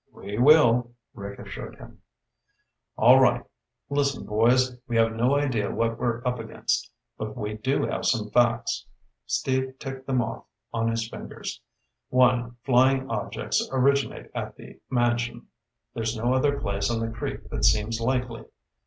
"We will," Rick assured him. "All right. Listen, boys, we have no idea what we're up against, but we do have some facts." Steve ticked them off on his fingers. "One, flying objects originate at the mansion. There's no other place on the creek that seems likely.